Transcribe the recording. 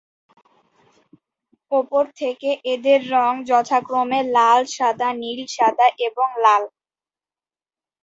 উপর থেকে এদের রঙ যথাক্রমে লাল, সাদা, নীল সাদা এবং লাল।